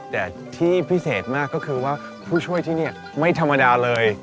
แต่ที่พิเศษมากก็คือว่าผู้ช่วยที่นี่ไม่ธรรมดาเลย